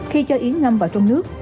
khi cho yến ngâm vào trong nước